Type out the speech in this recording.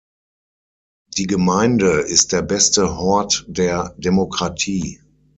Die Gemeinde ist der beste Hort der Demokratie.